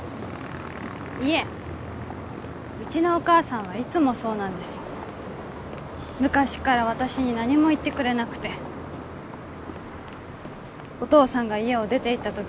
いえうちのお母さんはいつもそうなんです昔から私に何も言ってくれなくてお父さんが家を出ていった時も